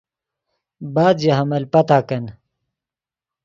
بعد ژے حمل پتاکن